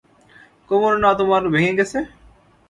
কোমর না তোমার ভেঙে গেছে?